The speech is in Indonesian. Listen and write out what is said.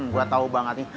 gue tau banget nih